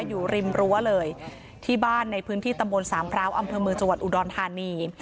อยู่ริมรั้วเลยที่บ้านในพื้นที่ตมสามพร้าวอมจวดอุดรธานี